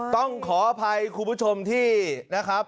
ต้องขออภัยคุณผู้ชมที่นะครับ